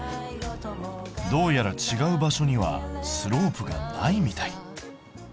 どうやら違う場所にはスロープがないみたい。